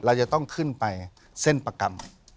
เราจะต้องขึ้นไปเส้นประกรรม